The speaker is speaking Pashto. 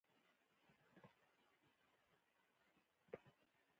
هلمند سیند د افغانستان د ځانګړي ډول جغرافیې استازیتوب کوي.